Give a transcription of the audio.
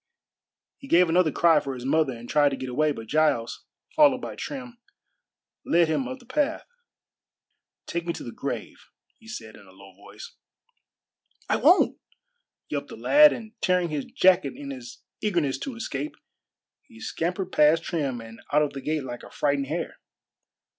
He gave another cry for his mother and tried to get away, but Giles, followed by Trim, led him up the path. "Take me to the grave," he said in a low voice. "I won't!" yelped the lad, and tearing his jacket in his eagerness to escape, he scampered past Trim and out of the gate like a frightened hare.